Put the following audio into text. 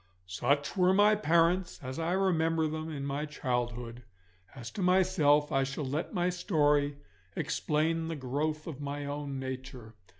Such were my parents as I remember them in my childhood. As to myself, I shall let my story explain the growth of my own nature.